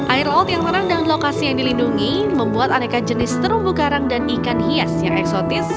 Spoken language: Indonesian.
air laut yang terang dan lokasi yang dilindungi membuat aneka jenis terumbu karang dan ikan hias yang eksotis